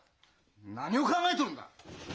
何を考えとるんだ！